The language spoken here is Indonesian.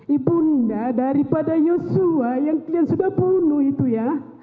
ibunda daripada yosua yang kalian sudah bunuh itu ya